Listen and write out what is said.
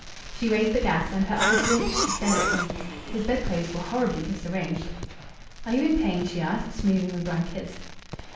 She raised the gas, and her eyes blinked as she stared at him. His bedclothes were horribly disarranged. "Are you in pain?" she asked, smoothing the blankets.